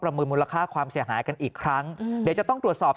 มูลค่าความเสียหายกันอีกครั้งเดี๋ยวจะต้องตรวจสอบ